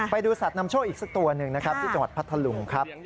ไปดูสัตว์นำโชคอีกสักตัวหนึ่งนะครับที่จังหวัดพัทธลุงครับ